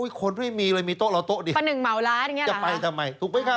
อุ้ยคนไม่มีมีโต๊ะละโต๊ะดิ